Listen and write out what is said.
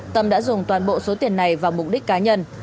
tâm đã dùng toàn bộ số tiền này vào mục đích cá nhân